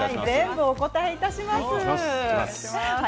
全部お答えいたします。